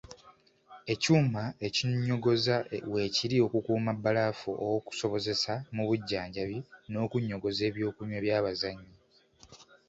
Ekyuma ekinnyogoza weekiri okukuuma bbalaafu ow'okozesebwa mu bujjanjabi n'okunnyogoza ebyokunywa by'abazannyi